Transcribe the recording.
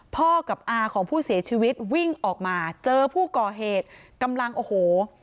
พ่อกับอาของผู้เสียชีวิตวิ่งออกมาเจอผู้ก่อเหตุกำลังโอ้โห